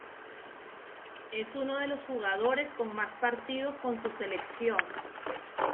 Es uno de los jugadores con más partidos con su selección.